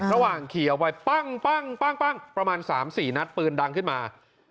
ระหว่างขี่เอาไว้ปั้งประมาณ๓๔นัดปืนดังขึ้นมา